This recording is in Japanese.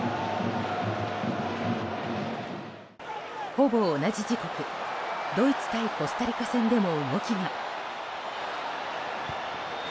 ほぼ同じ時刻、ドイツ対コスタリカ戦でも動きが。